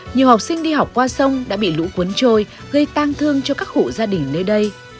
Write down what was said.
nhiều học sinh đi học qua sông đã bị lũ cuốn trôi gây tang thương cho các hộ gia đình nơi đây